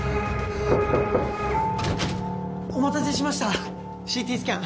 お待たせしましたＣＴスキャン